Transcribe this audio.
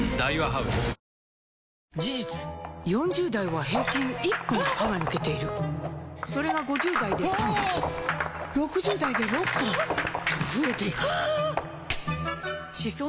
事実４０代は平均１本歯が抜けているそれが５０代で３本６０代で６本と増えていく歯槽